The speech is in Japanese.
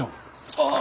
ああ。